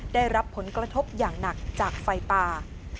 ได้รับผลกระทบอย่างหนักจากไฟป่า